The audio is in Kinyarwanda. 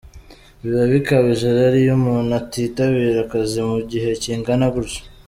Biba bikabije rero iyo umuntu atitabira akazi mu gihe kingana gutyo.